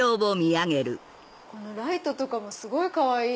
このライトとかもすごいかわいい！